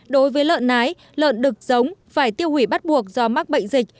đối với lợn nái lợn đực giống phải tiêu hủy bắt buộc do mắc bệnh dịch